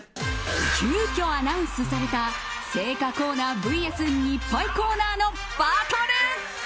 急きょ、アナウンスされた青果コーナーＶＳ日配コーナーのバトル。